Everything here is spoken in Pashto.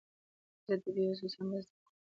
زه د بېوزلو سره مرسته کوم.